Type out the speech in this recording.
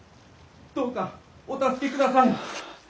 どうかお助けください！